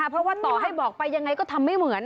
เพราะว่าต่อให้บอกไปยังไงก็ทำไม่เหมือน